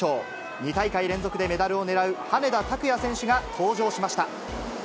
２大会連続でメダルを狙う羽根田卓也選手が登場しました。